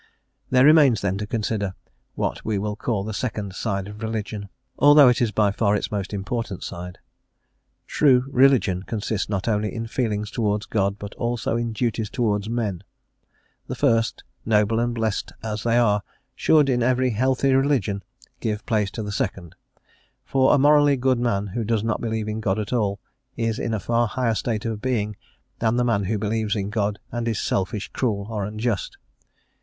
There remains then to consider what we will call the second side of religion, although it is by far its most important side. True religion consists not only in feelings towards God, but also in duties towards men: the first, noble and blessed as they are, should, in every healthy religion, give place to the second; for a morally good man who does not believe in God at all, is in a far higher state of being than the man who believes in God and is selfish, cruel or unjust.